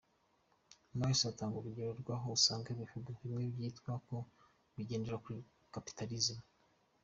Marx atanga urugero rw’aho usanga ibihugu bimwe byitwa ko bigendera kuri Capitalism .